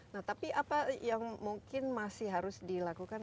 nah tapi apa yang mungkin masih harus dilakukan